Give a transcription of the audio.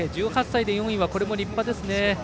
１８歳で４位はこれも立派ですね。